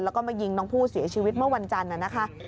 แล้วก็มายิงน้องผู้เสียชีวิตเมื่อวันจันทร์นะคะ